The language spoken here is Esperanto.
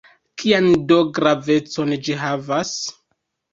Kian do gravecon ĝi havas?